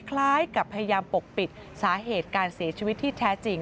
คล้ายกับพยายามปกปิดสาเหตุการเสียชีวิตที่แท้จริง